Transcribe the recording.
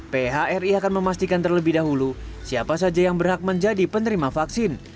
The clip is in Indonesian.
phri akan memastikan terlebih dahulu siapa saja yang berhak menjadi penerima vaksin